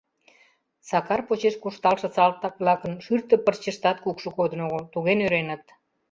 Сакар почеш куржталше салтак-влакын шӱртӧ пырчыштат кукшо кодын огыл, туге нӧреныт.